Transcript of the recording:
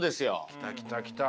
来た来た来た。